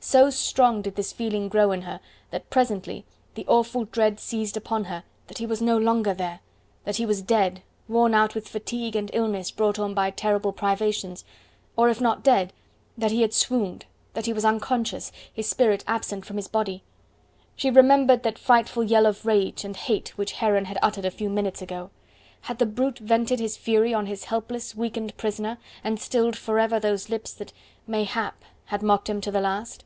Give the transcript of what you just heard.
So strong did this feeling grow in her that presently the awful dread seized upon her that he was no longer there; that he was dead, worn out with fatigue and illness brought on by terrible privations, or if not dead that he had swooned, that he was unconscious his spirit absent from his body. She remembered that frightful yell of rage and hate which Heron had uttered a few minutes ago. Had the brute vented his fury on his helpless, weakened prisoner, and stilled forever those lips that, mayhap, had mocked him to the last?